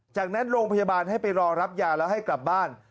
จากนั้นโรงพยาบาลให้ไปรอรับยาแล้วให้กลับบ้าน